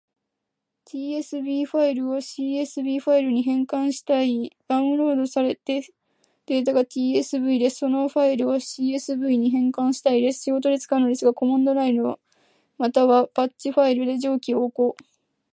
Q.tsv ファイルを csv ファイルに変換したいダウンロードされたデータが tsv で、そのファイルを csv に変換したいです。仕事で使うのですが、コマンドラインまたはバッチファイルで上記を行...